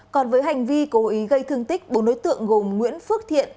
còn với hành vi cố ý gây thương tích bốn đối tượng gồm nguyễn phước thiện